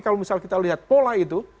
kalau misal kita lihat pola itu